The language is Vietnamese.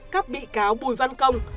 các bị cáo bùi văn công